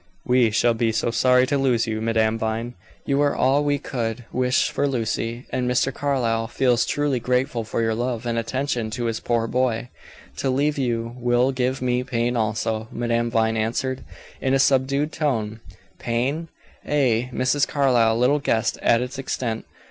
"We shall be so sorry to lose you, Madame Vine. You are all we could wish for Lucy, and Mr. Carlyle feels truly grateful for your love and attention to his poor boy." "To leave you will give me pain also," Madame Vine answered, in a subdued tone. Pain? Ay. Mrs. Carlyle little guessed at its extent.